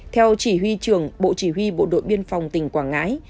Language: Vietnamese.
theo chỉ huy trưởng bộ chỉ huy bộ đội biên phòng tỉnh quảng ngãi